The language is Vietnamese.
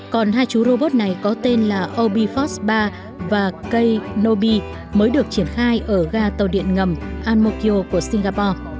còn hai chú robot này có tên là obi fox ba và k nobi mới được triển khai ở ga tàu điện ngầm anmokyo của singapore